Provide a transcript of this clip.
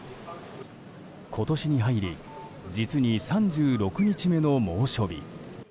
今年に入り実に３６日目の猛暑日。